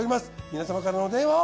皆様からのお電話を。